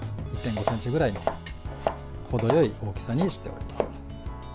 １．５ｃｍくらいの程よい大きさにしておきます。